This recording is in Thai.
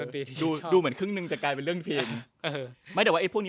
วงแบมวงเทลอร์อะไรอย่างนี้